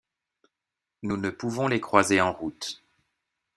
Nous ne pouvons les croiser en route.